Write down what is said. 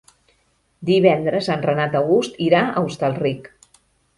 Divendres en Renat August irà a Hostalric.